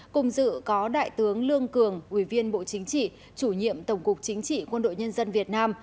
cùng dự có đại tướng lương cường ủy viên bộ chính trị chủ nhiệm tổng cục chính trị quân đội nhân dân việt nam